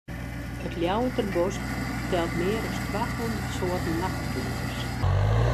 It Ljouwerter Bosk telt mear as twa hûndert soarten nachtflinters.